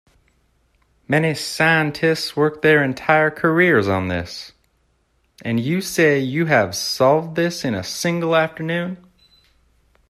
Many scientists work their entire careers on this, and you say you have solved this in a single afternoon?